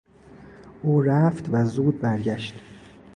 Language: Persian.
او رفت و زود برگشت.